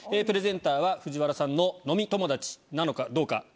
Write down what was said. プレゼンターは藤原さんの飲み友達なのかどうか？